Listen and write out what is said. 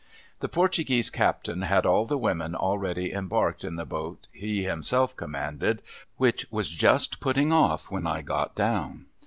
The Portuguese Captain had all the women already embarked in the boat he himself commanded, which was just putting off when I got down.